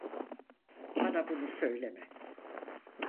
Bana bunu söyleme.